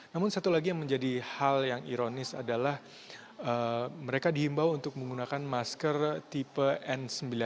namun satu lagi yang menjadi hal yang ironis adalah mereka dihimbau untuk menggunakan masker tipe n sembilan puluh sembilan